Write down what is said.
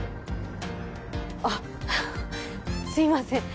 あっすいません